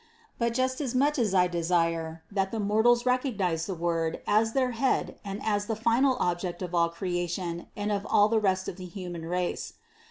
But just as much I desire, that the mortals recognize the Word as their Head and as the final Object of all Creation and of all the rest of the human race.